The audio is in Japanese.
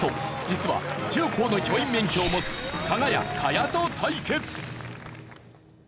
実は中高の教員免許を持つかが屋賀屋と対決。